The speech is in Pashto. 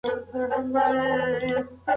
د مصرف کنټرول زما لومړیتوب دی.